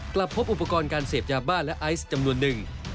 กลับพบอุปกรณ์การเสพยาบ้าและไอซ์จำนวนหนึ่ง